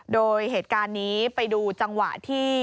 โดยเหตุการณ์นี้ไปดูจังหวะที่